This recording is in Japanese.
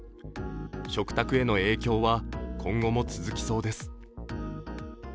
食卓への影響は今後も続きそうです。